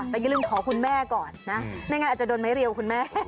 แต่อย่าลืมขอคุณแม่ก่อนนะไม่งั้นอาจจะโดนไม้เรียวคุณแม่